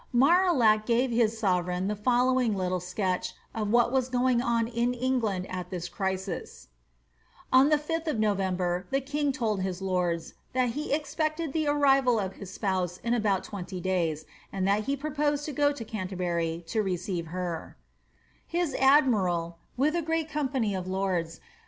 Marillac * gave his sovereign the following little sketch of what was going on in England at this crisis :—^ Oil the 5tli of November, the king told his lords, * that he expected the mrrivtl of hib spou:»« ia about twenty day:>, and that he proix)sed to go to Canterbury tt * Despatches of Marillac, in the Royal Library at Paris.